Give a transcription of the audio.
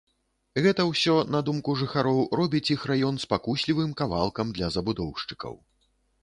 Гэта ўсё, на думку жыхароў, робіць іх раён спакуслівым кавалкам для забудоўшчыкаў.